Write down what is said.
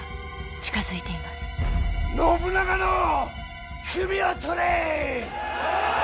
信長の首を取れ！